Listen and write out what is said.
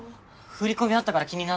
振り込みあったから気になって。